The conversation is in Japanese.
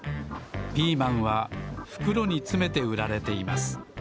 ピーマンはふくろにつめてうられています。